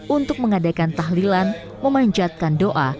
untuk mengadakan tahlilan memanjatkan doa